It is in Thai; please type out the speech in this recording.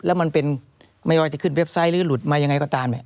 แล้วมันเป็นไม่ยอดจะขึ้นเว็บไซต์หรือหลุดมาอย่างไรก็ตาม